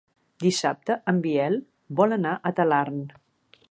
Dissabte en Biel vol anar a Talarn.